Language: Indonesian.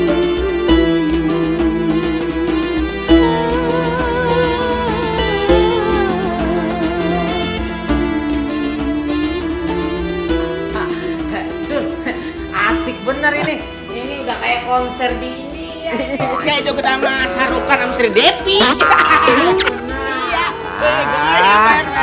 ini udah kayak konser di india